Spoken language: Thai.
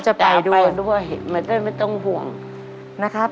จะไปด้วยก็ไม่ต้องห่วง